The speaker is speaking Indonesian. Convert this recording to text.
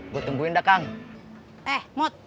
gue tungguin dah kang eh mot